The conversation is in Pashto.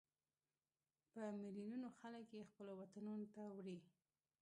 په ملیونونو خلک یې خپلو وطنونو ته وړي.